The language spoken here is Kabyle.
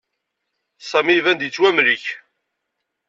Sami iban-d yettwamlek.